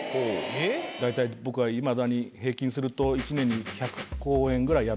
大体僕はいまだに平均すると１年に１００公演ぐらいやってるじゃないですか。